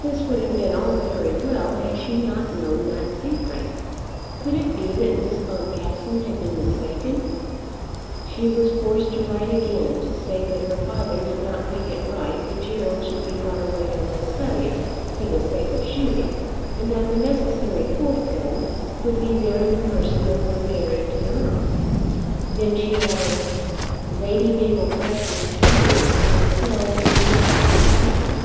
This would have been all very well had she not known that secret. Could it be that Miss Boncassen had been mistaken? She was forced to write again to say that her father did not think it right that Gerald should be brought away from his studies for the sake of shooting, and that the necessary fourth gun would be there in the person of one Barrington Erle. Then she added: "Lady Mabel Grex is coming, and so is Miss Boncassen."